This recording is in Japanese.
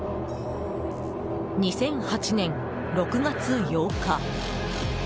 ２００８年６月８日。